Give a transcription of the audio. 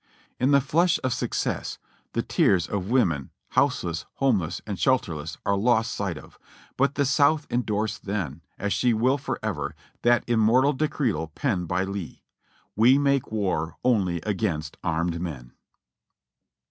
In the flush of success the tears of women, houseless, home less and shelterless are lost sight of, but the South endorsed then, as she will forever, that immortal decretal penned by Lee: 'IVe make ivar only against armed men."